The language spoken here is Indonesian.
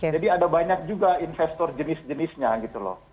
jadi ada banyak juga investor jenis jenisnya gitu loh